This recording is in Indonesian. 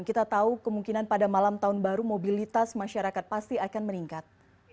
kita tahu kemungkinan pada malam tahun baru mobilitas masyarakat pasti akan meningkat